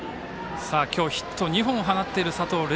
今日ヒット２本放っている佐藤玲